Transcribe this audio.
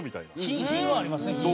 品はありますね。